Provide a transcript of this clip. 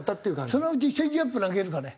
そのうちチェンジアップ投げるかね？